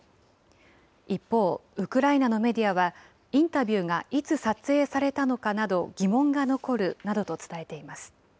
一方、ウクライナのメディアは、インタビューがいつ撮影されたのかなど疑問が残るなどと伝えています。